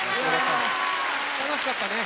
楽しかったね。